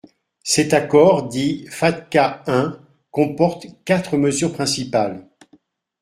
Cet accord, dit « FATCA un », comporte quatre mesures principales.